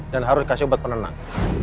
dan harus dikasih obat penenang